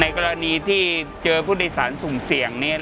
กรณีที่เจอผู้โดยสารสุ่มเสี่ยง